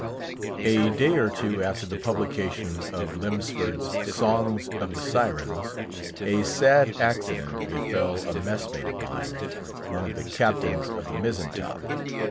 A day or two after the publication of Lemsford's "Songs of the Sirens," a sad accident befell a mess mate of mine, one of the captains of the mizzen top.